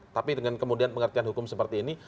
tapi dengan kemudian pengertian hukum seperti ini